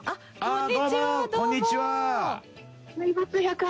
「ああどうもこんにちは」